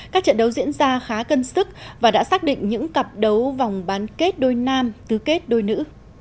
các trận đấu diễn ra khá cân sức và đã xác định những cặp đấu vòng bán kết đôi nam tứ kết đôi nữ